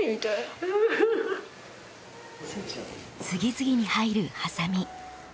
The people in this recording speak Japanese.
次々に入るはさみ。